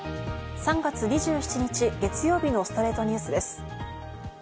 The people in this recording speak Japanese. ３月２７日、月曜日の『ストレイトニュース』です。